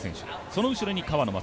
その後ろに川野将